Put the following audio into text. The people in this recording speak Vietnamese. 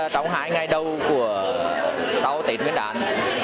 tổng hãi ngày đầu của sau tết nguyên đán